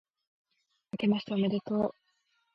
あけましておめでとう、